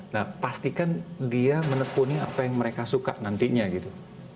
nah pastikan dia menekuni apa yang mereka suka nantinya gitu